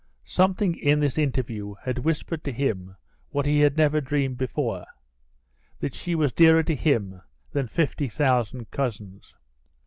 Something in this interview had whispered to him what he had never dreamed before that she was dearer to him than fifty thousand cousins.